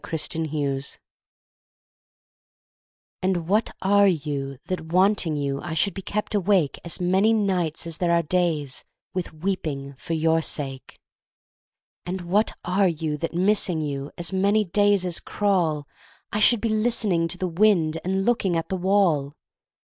The Philosopher AND what are you that, wanting you, I should be kept awake As many nights as there are days With weeping for your sake? And what are you that, missing you, As many days as crawl I should be listening to the wind And looking at the wall?